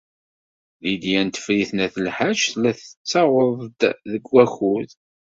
Lidya n Tifrit n At Lḥaǧ tella tettaweḍ-d deg wakud.